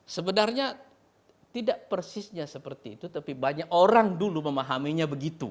sebenarnya tidak persisnya seperti itu tapi banyak orang dulu memahaminya begitu